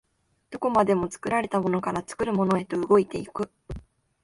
どこまでも作られたものから作るものへと動いて行く。